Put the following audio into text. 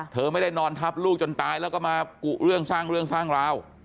เธอไม่ได้นอนทับลูกจนตายแล้วก็มากุเรื่องสร้างเรื่องสร้างราว